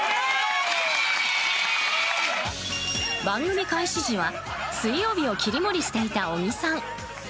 番組開始時は、水曜日を切り盛りしていた小木さん。